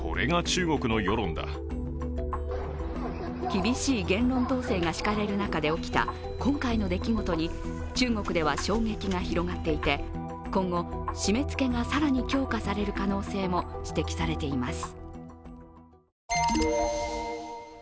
厳しい言論統制が敷かれる中で起きた今回の出来事に中国では衝撃が広がっていて、今後締めつけが更に強化される可能性も指摘されています。